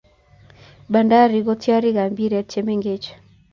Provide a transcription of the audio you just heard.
Bandari ko katiarik ab Mpiret che mengej